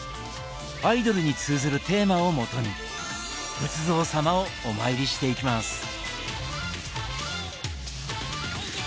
アイドルに通ずるテーマをもとに仏像様をお参りしていきます。